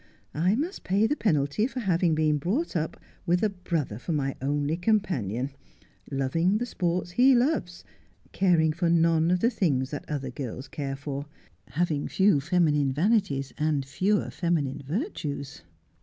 I must pay the penalty for having been brought up with a brother for my only companion — loving the sports he loves — caring for none of the things that other girls care for — having few feminine vanities and fewer feminine virtues.'